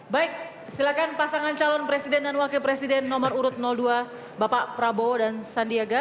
baik silakan pasangan calon presiden dan wakil presiden nomor urut dua bapak prabowo dan sandiaga